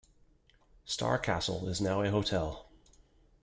Star Castle is now a hotel.